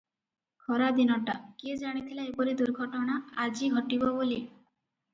ଖରାଦିନଟା- କିଏ ଜାଣିଥିଲା ଏପରି ଦୁର୍ଘଟନା ଆଜି ଘଟିବ ବୋଲି ।